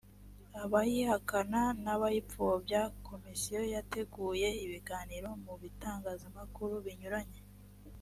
abayihakana n abayipfobya komisiyo yateguye ibiganiro mu bitangazamakuru binyuranye